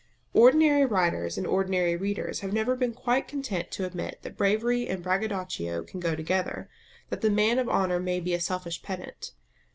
Ordinary writers and ordinary readers have never been quite content to admit that bravery and braggadocio can go together, that the man of honour may be a selfish pedant.